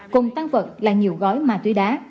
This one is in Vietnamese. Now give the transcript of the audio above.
cùng tăng vật là nhiều gói ma túy đá